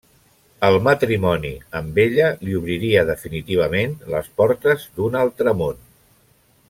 El matrimoni amb ella li obriria definitivament les portes d'un altre món.